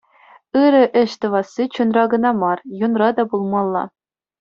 Ырӑ ӗҫ тӑвасси чунра кӑна мар, юнра та пулмалла.